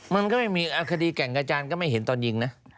มันก็ไม่มีคดีแก่งกระจานก็ไม่เห็นตอนยิงนะ